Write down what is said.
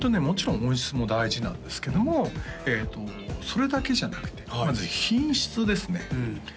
もちろん音質も大事なんですけどもそれだけじゃなくてまず品質ですね